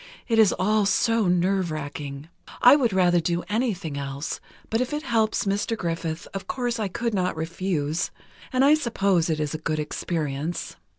It is all so nerve racking. I would rather do anything else, but if it helps Mr. Griffith, of course I could not refuse, and I suppose it is a good experience.